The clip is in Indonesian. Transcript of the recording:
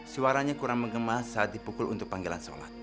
suaranya kurang mengemas saat dipukul untuk panggilan sholat